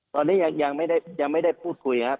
ตอนนี้ยังไม่ได้พูดคุยครับ